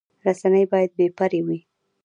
رسنۍ باید بې پرې وي